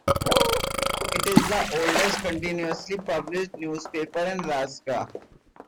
It is the oldest continuously published newspaper in Alaska.